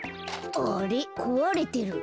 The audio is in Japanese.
あれっこわれてる。